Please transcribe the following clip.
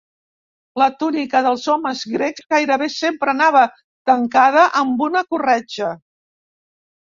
La túnica dels homes grecs gairebé sempre anava tancada amb una corretja.